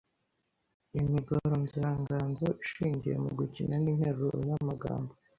Imigoronzoranganzo: Ishingiye mu gukina n’interuro n’amagamo